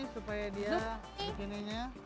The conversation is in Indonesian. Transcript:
supaya dia bikinnya